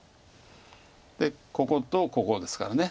でこことここですから。